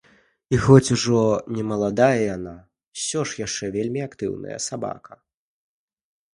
І хоць ужо не маладая, яна ўсё яшчэ вельмі актыўная сабака.